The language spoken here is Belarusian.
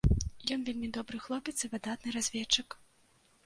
Ён вельмі добры хлопец і выдатны разведчык.